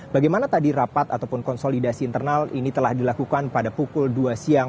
bagaimana tadi rapat ataupun konsolidasi internal ini telah dilakukan pada pukul dua siang